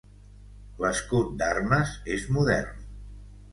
L'escut d'armes és modern.